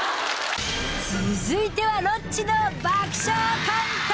続いてはロッチの爆笑コント！